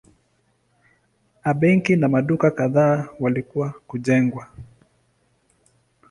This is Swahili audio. A benki na maduka kadhaa walikuwa kujengwa.